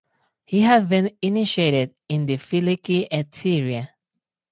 He had been initiated in the Filiki Eteria.